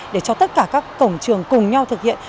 để cho tất cả các cổng trường cùng nhau thực hiện